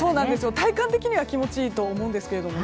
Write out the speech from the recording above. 体感的には気持ちいいと思うんですけどね。